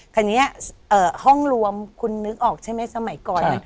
คราวนี้ห้องรวมคุณนึกออกใช่ไหมสมัยก่อน